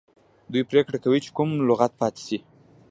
دوی پریکړه کوي چې کوم لغت پاتې شي.